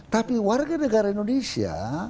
tapi warga negara indonesia